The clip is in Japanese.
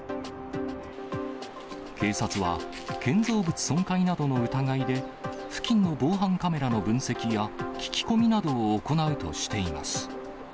警察は建造物損壊などの疑いで、付近の防犯カメラの分析や聞き込みなどを行うとしています。